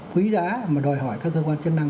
quý giá mà đòi hỏi các cơ quan chức năng